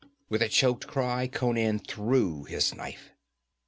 With a choked cry Conan threw his knife.